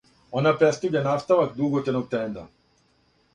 Она представља наставак дуготрајног тренда.